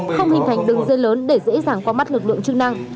không hình thành đường dây lớn để dễ dàng qua mắt lực lượng chức năng